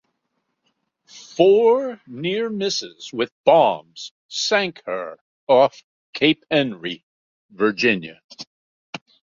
Four near-misses with bombs sank her off Cape Henry, Virginia.